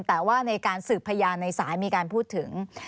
แต่ว่าในการสืบพยานในสายมีการพูดถึง